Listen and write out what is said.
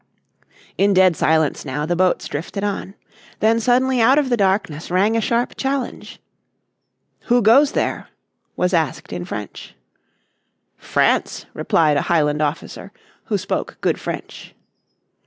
In dead silence now the boats drifted on. Then suddenly out of the darkness rang a sharp challenge. "Who goes there?" was asked in French. "France," replied a Highland officer who spoke good French.